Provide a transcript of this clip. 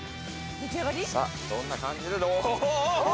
さあどんな感じで。